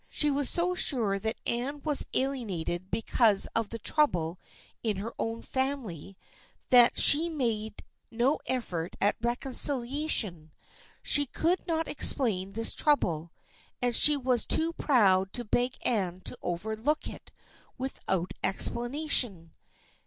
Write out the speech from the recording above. She was so sure that Anne was alienated because of the trouble in her own family that she made no effort at reconcilia THE FRIENDSHIP OF ANNE 109 tion. She could not explain this trouble, and she was too proud to beg Anne to overlook it without explanation.